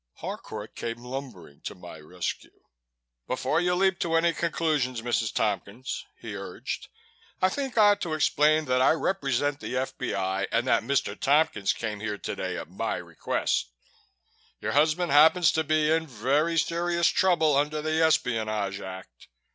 Harcourt came lumbering to my rescue. "Before you leap to any conclusions, Mrs. Tompkins," he urged, "I think I ought to explain that I represent the F.B.I. and that Mr. Tompkins came here today at my request. Your husband happens to be in very serious trouble under the Espionage Act.